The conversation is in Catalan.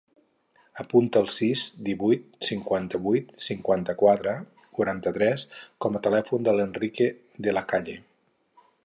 Apunta el sis, divuit, cinquanta-vuit, cinquanta-quatre, quaranta-tres com a telèfon de l'Enrique De La Calle.